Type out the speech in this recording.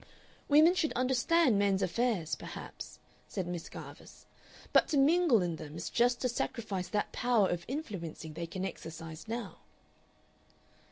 "Women should understand men's affairs, perhaps," said Miss Garvice, "but to mingle in them is just to sacrifice that power of influencing they can exercise now."